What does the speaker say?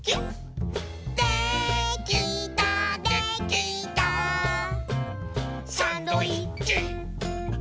「できたできたサンドイッチイェイ！」